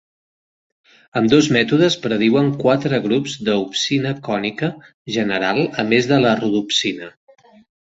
Ambdós mètodes prediuen quatre grups de opsina cònica general a més de la rodopsina.